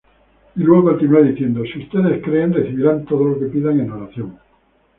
Y luego continúa diciendo: "Si ustedes creen, recibirán todo lo que pidan en oración.